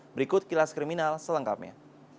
berikut kilas kriminal selengkapnya